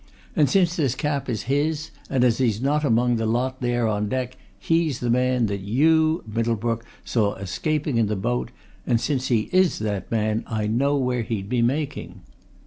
And since this cap is his, and as he's not amongst the lot there on deck, he's the man that you, Middlebrook, saw escaping in the boat. And since he is that man, I know where he'd be making."